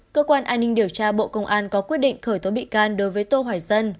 cơ quan an ninh điều tra bộ công an có quyết định khởi tố bị can đối với tô hoài dân